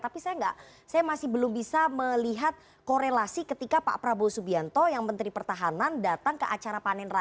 tapi saya masih belum bisa melihat korelasi ketika pak prabowo subianto yang menteri pertahanan datang ke acara panen raya